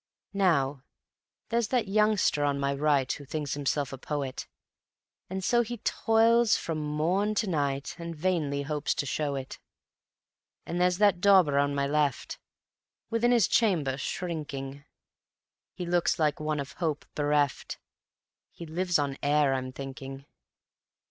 Now, there's that youngster on my right Who thinks himself a poet, And so he toils from morn to night And vainly hopes to show it; And there's that dauber on my left, Within his chamber shrinking He looks like one of hope bereft; He lives on air, I'm thinking.